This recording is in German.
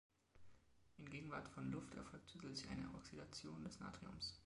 In Gegenwart von Luft erfolgt zusätzlich eine Oxidation des Natriums.